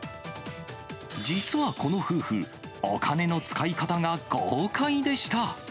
実はこの夫婦、お金の使い方が豪快でした。